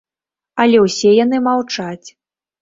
Але ўсе яны маўчаць.